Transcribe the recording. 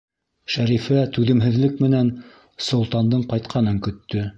Шәрифә түҙемһеҙлек менән Солтандың ҡайтҡанын көттө.